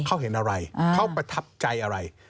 เขาเห็นอะไรเขาประทับใจอะไร